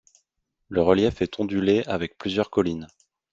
Le relief est ondulé avec plusieurs collines.